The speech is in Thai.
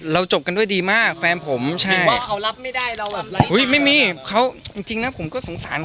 เสพเก๋แยกละเนาะ